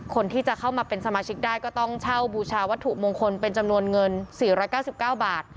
คนที่จะเข้ามาเป็นสมาชิกได้ก็ต้องเช่าบูชาวัตถุมงคลเป็นจำนวนเงิน๔๙๙บาท